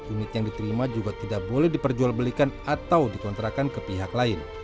unit yang diterima juga tidak boleh diperjualbelikan atau dikontrakan ke pihak lain